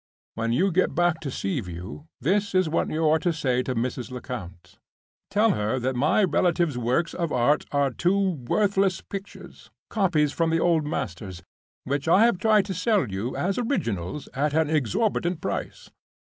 When you get back to Sea View, this is what you are to say to Mrs. Lecount. Tell her that my relative's works of Art are two worthless pictures—copies from the Old Masters, which I have tried to sell you as originals at an exorbitant price.